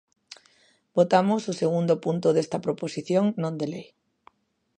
Votamos o segundo punto desta proposición non de lei.